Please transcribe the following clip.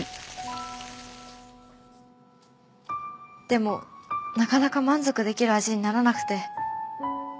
でもなかなか満足できる味にならなくて。